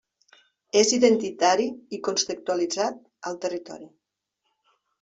És identitari i contextualitzat al territori.